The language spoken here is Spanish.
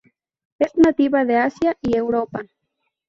Es nativa de Asia y Europa.